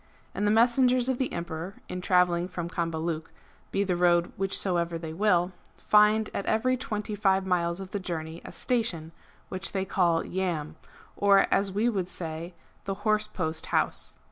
^ And the messengers of the Emperor in travelling from Cambaluc, be the road whichsoever they will, find at every twenty five miles of the journey a station which they call Yamb^ or, as we should say, the " Horse Post House."